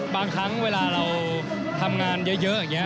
บางครั้งเวลาเราทำงานเยอะอย่างนี้